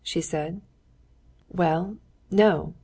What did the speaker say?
she said. "Well, no!